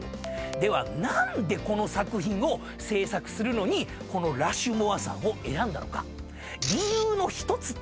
では何でこの作品を制作するのにこのラシュモア山を選んだのか。